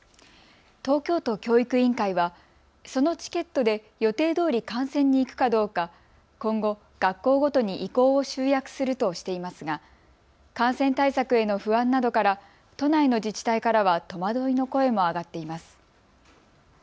東京都教育委員会はそのチケットで予定どおり観戦に行くかどうか今後、学校ごとに意向を集約するとしていますが感染対策への不安などから都内の自治体からは戸惑いの声も上がっています。